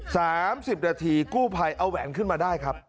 สามสิบนาทีกู้ภัยเอาแหวนขึ้นมาได้ครับ